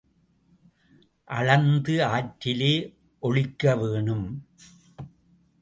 அளந்து ஆற்றிலே ஒழிக்க வேணும்.